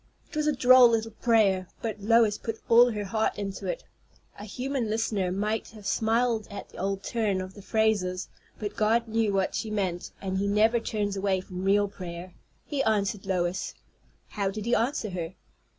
It was a droll little prayer, but Lois put all her heart into it. A human listener might have smiled at the odd turn of the phrases; but God knew what she meant, and he never turns away from real prayer. He answered Lois. How did he answer her?